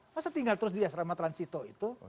masa tinggal terus di asrama transito itu